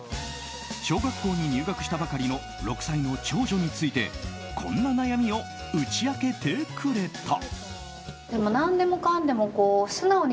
小学校に入学したばかりの６歳の長女についてこんな悩みを打ち明けてくれた。